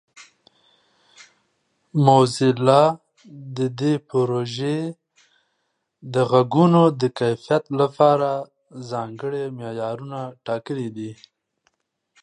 موزیلا د دې پروژې د غږونو د کیفیت لپاره ځانګړي معیارونه ټاکلي دي.